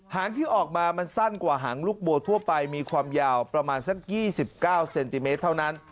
หางที่ออกมามันสั้นกว่าหางลูกบัวทั่วไปมีความยาวประมาณสัก๒๙เซนติเมตรเท่านั้น